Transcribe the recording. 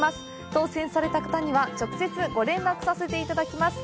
当せんされた方には、直接ご連絡させていただきます。